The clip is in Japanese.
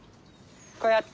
こうやって？